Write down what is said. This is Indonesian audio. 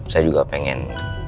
saya juga pengen